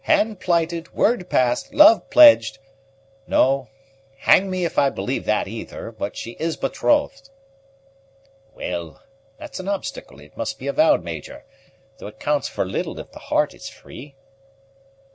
Hand plighted, word passed, love pledged, no, hang me if I believe that either; but she is betrothed." "Well, that's an obstacle, it must be avowed, Major, though it counts for little if the heart is free."